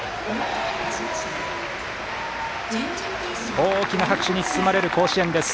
大きな拍手に包まれる甲子園です。